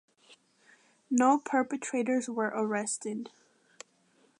No perpetrators were arrested.